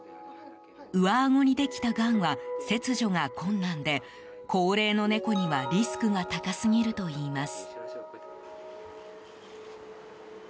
上あごにできたがんは切除が困難で高齢の猫にはリスクが高すぎるといいます。